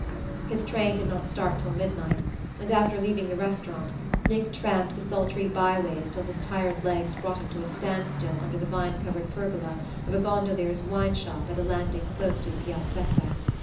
His train did not start till midnight, and after leaving the restaurant Nick tramped the sultry by ways till his tired legs brought him to a standstill under the vine covered pergola of a gondolier's wine shop at a landing close to the Piazzetta.